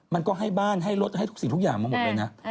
มันก็ให้บ้านให้รถให้ทุกสิ่งทุกอย่างมาหมดเลยนะ